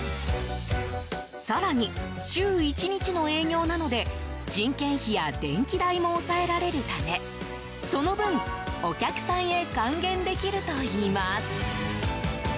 更に、週１日の営業なので人件費や電気代も抑えられるためその分、お客さんへ還元できるといいます。